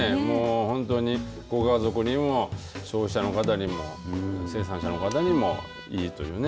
本当にご家族にも消費者の方にも生産者の方にも、いいというね。